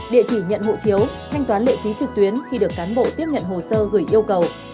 địa chỉ nhận hộ chiếu thanh toán lệ phí trực tuyến khi được cán bộ tiếp nhận hồ sơ gửi yêu cầu